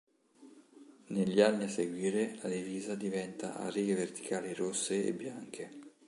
Negli anni a seguire la divisa diventa a righe verticali rosse e bianche.